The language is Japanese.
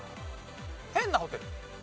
変なホテル。